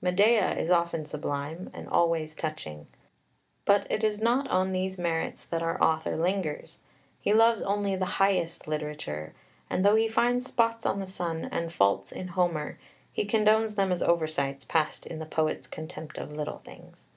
Medea is often sublime, and always touching. But it is not on these merits that our author lingers; he loves only the highest literature, and, though he finds spots on the sun and faults in Homer, he condones them as oversights passed in the poet's "contempt of little things."